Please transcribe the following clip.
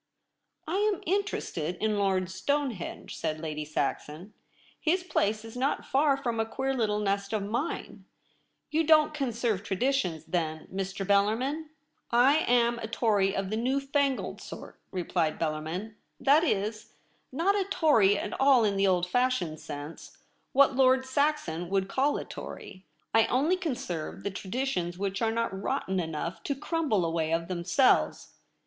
' I am interested in Lord Stonehenge,' said Lady Saxon. ' His place Is not far from a queer little nest of mine. You don't conserve traditions, then, Mr. Bellarmin ?* I am a Tory of the new fangled sort,' replied Bellarmin ;' that Is, not a Tory at all in the old fashioned sense — what Lord Saxon would call a Tory. 1 only conserve the tra ditions which are not rotten enough to crumble away of themselves.